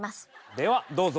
ではどうぞ。